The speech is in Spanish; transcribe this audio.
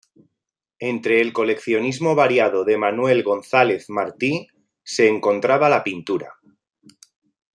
Entre el coleccionismo variado de Manuel González Martí se encontraba la pintura.